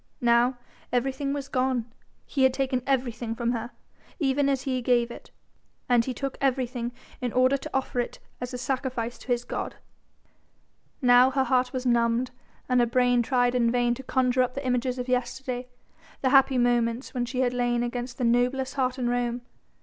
Now everything was gone, he had taken everything from her, even as he gave it; and he took everything in order to offer it as a sacrifice to his God. Now her heart was numbed and her brain tried in vain to conjure up the images of yesterday: the happy moments when she had lain against the noblest heart in Rome.